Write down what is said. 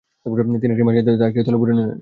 তিনি একটি মাছ নিয়ে তা একটি থলে পুরে নিলেন।